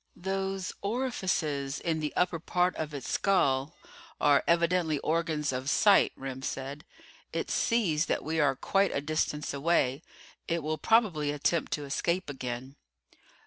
"Those orifices in the upper portion of its skull are evidently organs of sight," Remm said. "It sees that we are quite a distance away. It will probably attempt to escape again."